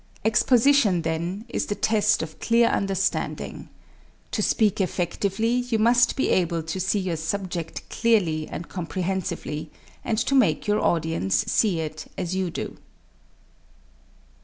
Exposition, then, is the test of clear understanding. To speak effectively you must be able to see your subject clearly and comprehensively, and to make your audience see it as you do."